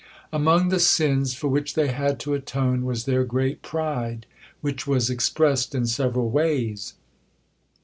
Among the sins for which they had to atone was their great pride, which was expressed in several ways.